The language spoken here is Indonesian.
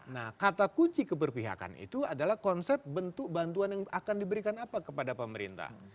nah kata kunci keberpihakan itu adalah konsep bentuk bantuan yang akan diberikan apa kepada pemerintah